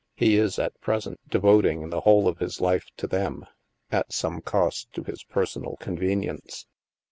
He is, at present, devoting the whole of his life to them at some cost to his personal convenience."